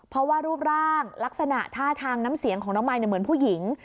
เพราะว่ารูปร่างลักษณะท่าทางน้ำเสียงของน้องมายเหมือนผู้หญิง